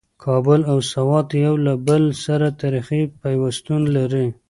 کابل او سوات یو له بل سره تاریخي پیوستون لري.